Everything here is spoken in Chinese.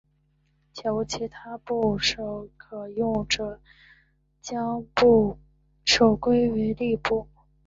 且无其他部首可用者将部首归为立部。